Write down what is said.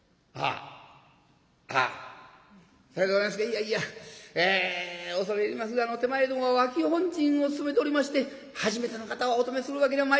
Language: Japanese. いやいやえ恐れ入りますが手前ども脇本陣を務めておりまして初めての方をお泊めするわけにはまいりませんので。